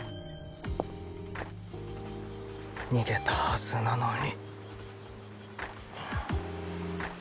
逃げたはずなのにはぁ。